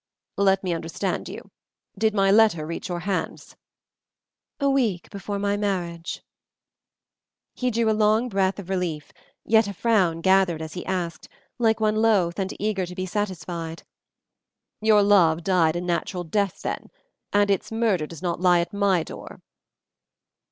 "Let me understand you. Did my letter reach your hands?" "A week before my marriage." He drew a long breath of relief, yet a frown gathered as he asked, like one loath and eager to be satisfied, "Your love died a natural death, then, and its murder does not lie at my door?"